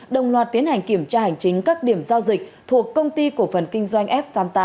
đồng loạt tiến hành kiểm tra hành chính các điểm giao dịch thuộc công ty cổ phần kinh doanh f tám mươi tám